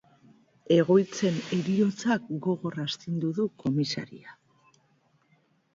Egoitzen heriotzak gogor astinduko du komisaria.